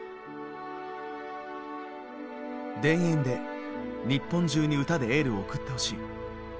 「田園」で日本中に歌でエールを送ってほしい。